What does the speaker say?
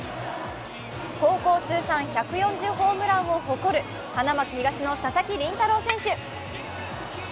高校通算１４０ホームランを誇る花巻東の佐々木麟太郎選手。